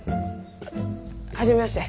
初めまして。